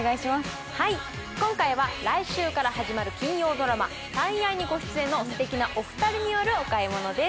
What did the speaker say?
今回は来週から始まる金曜ドラマ「最愛」にご出演のステキなお二人によるお買い物です。